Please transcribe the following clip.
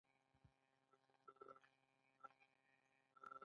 د پانګې راټولونه د پانګې زیاتېدل دي